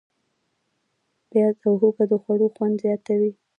پیاز او هوږه د خوړو خوند زیاتوي.